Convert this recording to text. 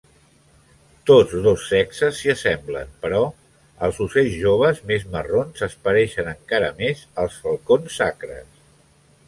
Tots dos sexes s'hi assemblen, però els ocells joves més marrons es pareixen encara més als falcons sacres.